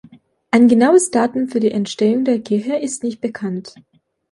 Ein genaues Datum für die Entstehung der Kirche ist nicht bekannt.